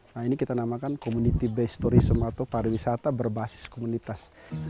nah ini kita namakan community based tourism atau pariwisata berbasis komunitas